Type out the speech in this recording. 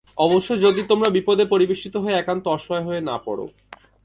অবশ্য যদি তোমরা বিপদে পরিবেষ্টিত হয়ে একান্ত অসহায় হয়ে না পড়।